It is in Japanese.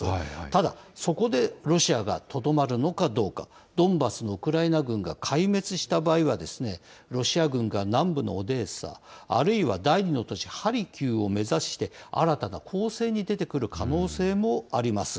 ただ、そこでロシアがとどまるのかどうか、ドンバスのウクライナ軍が壊滅した場合は、ロシア軍が南部のオデーサ、あるいは第２の都市ハリキウを目指して、新たな攻勢に出てくる可能性もあります。